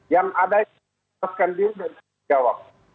yang ada itu melepaskan diri dari tanggung jawab